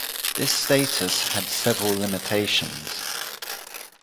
This status had several limitations.